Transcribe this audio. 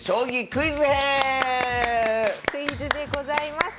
クイズでございます。